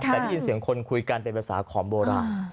แต่ได้ยินเสียงคนคุยกันเป็นภาษาขอมโบราณ